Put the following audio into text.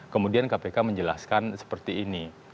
kemudian kpk menjelaskan seperti ini